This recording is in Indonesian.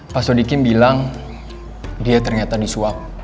pak sodikin bilang dia ternyata disuap